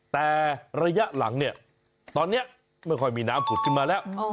แต่ระยะหลังเนี่ยตอนนี้ไม่ค่อยมีน้ำผุดขึ้นมาแล้ว